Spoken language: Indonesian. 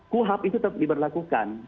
kuhab itu tetap diberlakukan